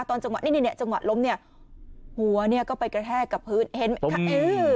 จังหวะนี่เนี่ยจังหวะล้มเนี่ยหัวเนี่ยก็ไปกระแทกกับพื้นเห็นไหมคะเออ